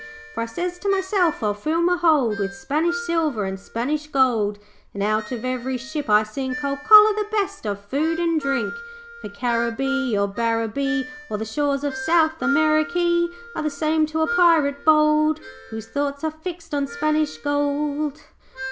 'For I sez to meself, "I'll fill me hold With Spanish silver and Spanish gold, And out of every ship I sink I'll collar the best of food and drink. '"For Caribbee, or Barbaree, Or the shores of South Amerikee Are all the same to a Pirate bold, Whose thoughts are fixed on Spanish gold."